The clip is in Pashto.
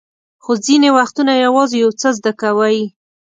خو ځینې وختونه یوازې یو څه زده کوئ.